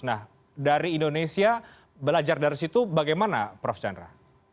nah dari indonesia belajar dari situ bagaimana prof chandra